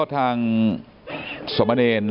ลูกชายวัย๑๘ขวบบวชหน้าไฟให้กับพุ่งชนจนเสียชีวิตแล้วนะครับ